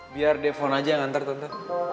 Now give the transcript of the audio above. biar defon aja yang nganter tante